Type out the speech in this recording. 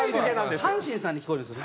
「阪神さん」に聞こえるんですよね。